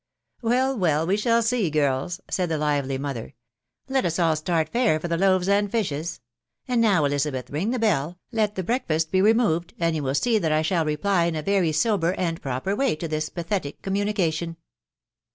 " Well, well, we shall see, girls/' said the lively mother. " Let us all start fair for the loaves and fishes ;... and now, Elizabeth, ring the bell, let the breakfast be removed, and ye* will see that I shall reply in a very sober and proper way to this pathetic communication."